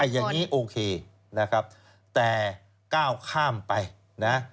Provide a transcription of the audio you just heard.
อย่างนี้โอเคนะครับแต่ก้าวข้ามไปนะ